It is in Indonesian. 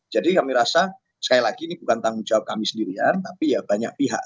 jadi kami rasa sekali lagi ini bukan tanggung jawab kami sendirian tapi ya banyak pihak